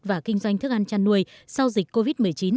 và kinh doanh thức ăn chăn nuôi sau dịch covid một mươi chín